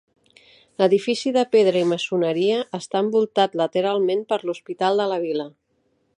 L'edifici de pedra i maçoneria està envoltat lateralment per l'Hospital de la Vila.